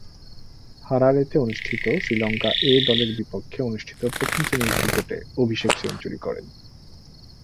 হারারেতে অনুষ্ঠিত শ্রীলঙ্কা এ-দলের বিপক্ষে অনুষ্ঠিত প্রথম-শ্রেণীর ক্রিকেটে অভিষেক সেঞ্চুরি করেন।